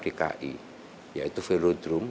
di ki yaitu velodrome